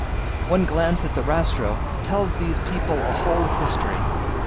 One glance at the rastro tells these people a whole history.